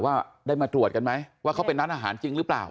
ว่าได้มาตรวจกันไหมว่าเขาเป็นร้านอาหารจริงหรือเปล่า